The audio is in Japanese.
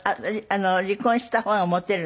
離婚した方がモテるの？